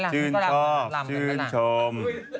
ชื่นชอบชื่นชม